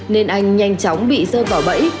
nên anh nhanh chóng bị sơ tỏa bệnh